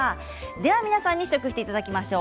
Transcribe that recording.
では皆さんに試食していただきましょう。